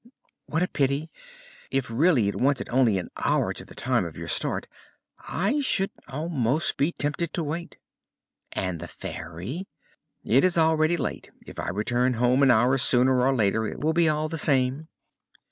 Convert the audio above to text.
"What a pity! If really it wanted only an hour to the time of your start, I should almost be tempted to wait." "And the Fairy?" "It is already late. If I return home an hour sooner or later it will be all the same."